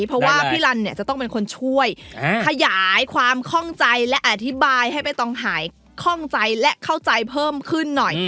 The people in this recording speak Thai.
เพราะว่าพี่ลันเนี่ยจะต้องเป็นคนช่วยขยายความข้องใจและอธิบายให้ใบตองหายคล่องใจและเข้าใจเพิ่มขึ้นหน่อย